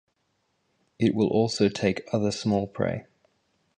It will also take other small prey.